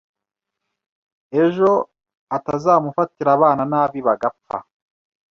ejo atazamufatira abana nabi bagapfa